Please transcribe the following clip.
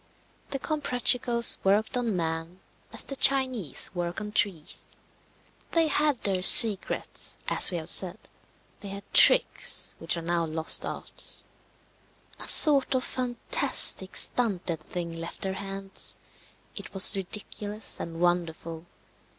The Comprachicos worked on man as the Chinese work on trees. They had their secrets, as we have said; they had tricks which are now lost arts. A sort of fantastic stunted thing left their hands; it was ridiculous and wonderful.